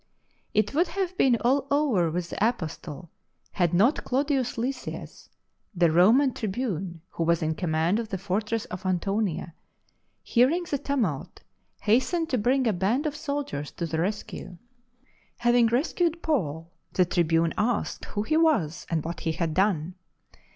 It would have been all over with the Apostle had not Claudius Lysias, RETURN TO JERUSALEM 99 the Roman tribune who was in command of the fortress of Antonia, hearing the tumult, hastened to bring a band of soldiers to the rescue. Having secured Paul, the tribune asked who he was and what he had done.